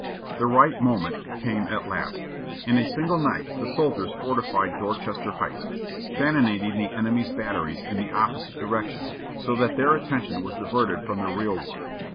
The "right moment" came at last. In a single night the soldiers fortified Dorchester Heights, cannonading the enemy's batteries in the opposite direction, so that their attention was diverted from the real work.